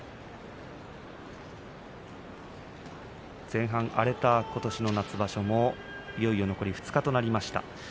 前半、荒れたことしの夏場所もいよいよ残り２日となりました。